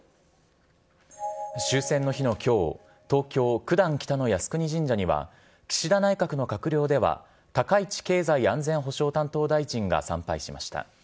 終戦の日のきょう、東京・九段北の靖国神社には、岸田内閣の閣僚では高市経済安全保障担当大臣が参拝しました。